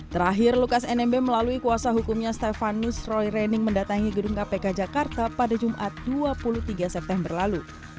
terakhir lukas nmb melalui kuasa hukumnya stefanus roy rening mendatangi gedung kpk jakarta pada jumat dua puluh tiga september lalu